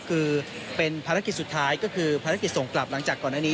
คือเป็นภารกิจสุดท้ายก็คือภารกิจส่งกลับหลังจากก่อนอันนี้